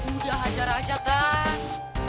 udah ajar ajar tan